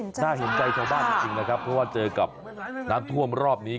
น่าเห็นใจชาวบ้านจริงนะครับเพราะว่าเจอกับน้ำท่วมรอบนี้